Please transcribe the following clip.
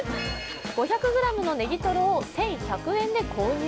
５００ｇのネギトロを１１００円で購入。